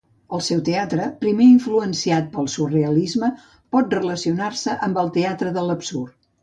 El seu teatre, primer influenciat pel Surrealisme, pot relacionar-se amb el Teatre de l'absurd.